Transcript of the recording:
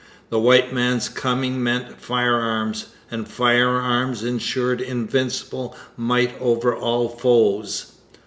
The white man's coming meant firearms, and firearms ensured invincible might over all foes.